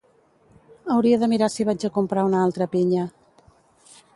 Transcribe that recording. Hauria de mirar si vaig a comprar una altra pinya